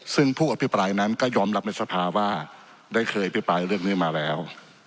ซึ่งผู้อภิปรายนั้นก็ยอมรับในสภาว่าได้เคยพิปรายเรื่องนี้มาแล้ว